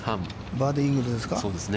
バーディー、イーグルですか。